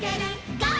ゴー！」